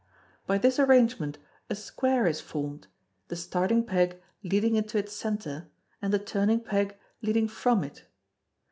By this arrangement, a square is formed, the starting peg leading into its centre, and the turning peg leading from it.